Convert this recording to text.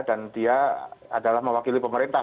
dan dia adalah mewakili pemerintah